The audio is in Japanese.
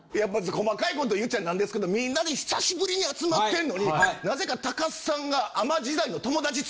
細かいこと言っちゃ何ですけどみんなで久しぶりに集まってんのに何故か高須さんが。